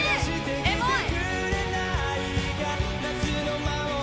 エモい。